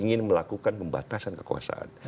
inilah yang diperlukan pembatasan kekuasaan